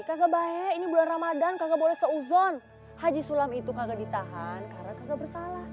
kagak baik ini bulan ramadhan kagak boleh seuzon haji sulaam itu kagak ditahan karena kagak bersalah